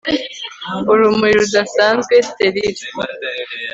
urumuri rudasanzwe sterile